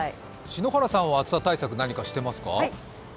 篠原さんは暑さ対策、何かしていますか？